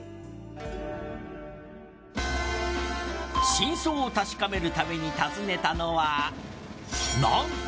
真相を確かめるために訪ねたのはなんと。